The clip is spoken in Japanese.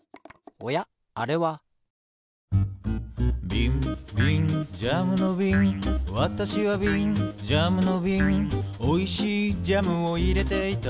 「びんびんジャムのびんわたしはびん」「ジャムのびんおいしいジャムをいれていた」